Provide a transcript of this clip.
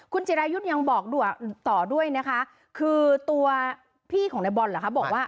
คุณจิรายุทธ์ยังบอกต่อด้วยนะคะคือตัวพี่ของนายบอลเหรอคะบอกว่า